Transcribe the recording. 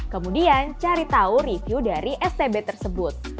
kemudian cari tahu review dari stb tersebut